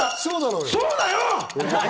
そうだよ！